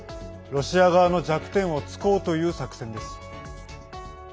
ロシア側の弱点を突こうという作戦です。